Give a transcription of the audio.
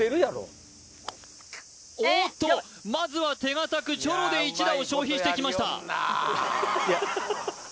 おっとまずは手堅くチョロで１打を消費してきました